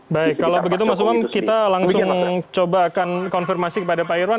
baik kalau begitu mas umam kita langsung coba akan konfirmasi kepada pak irwan